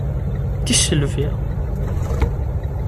D tisselbi!